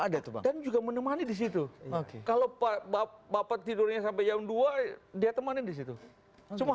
ada tuh dan juga menemani di situ kalau pak bapak tidurnya sampai yang dua dia temanin di situ cuma